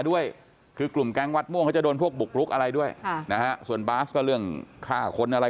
ด้วยคือกลุ่มแก๊งวัดม่วงเขาจะโดนพวกบุกรุกอะไรด้วยค่ะนะฮะส่วนบาสก็เรื่องฆ่าคนอะไร